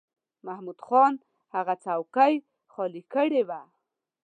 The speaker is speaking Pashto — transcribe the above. محمود خان هغه څوکۍ خالی کړې وه.